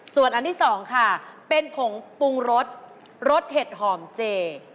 ส่วนอันที่สองค่ะเป็นผงปรุงรสรสเห็ดหอมเจ